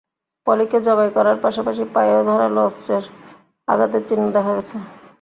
পলিকে জবাই করার পাশাপাশি পায়েও ধারালো অস্ত্রের আঘাতের চিহ্ন দেখা গেছে।